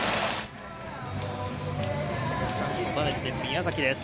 チャンスの場面で宮崎です。